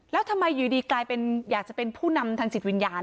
แล้วทำไมอยู่ดีเปลี่ยนทางเป็นของผู้นำศักดิ์สิทธิ์วิญญาณ